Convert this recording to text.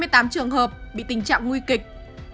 hai mươi tám trường hợp bị tình trạng nguy kịch